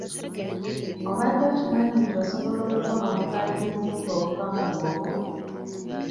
Obadde okimanyi nti osobola okukola omugaati mu buwunga obuva mu muwogo?